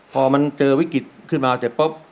พอมันเจอวิกฤตขึ้นมาเสร็จปุ๊บ